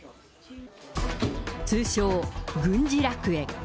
通称、軍事楽園。